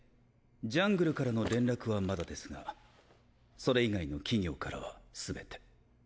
ジャングルからの連絡はまだですがそれ以外の企業からは全て。